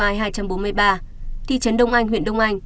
thị trấn đông anh huyện đông anh